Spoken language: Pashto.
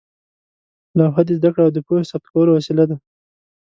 لوحه د زده کړې او پوهې ثبت کولو وسیله وه.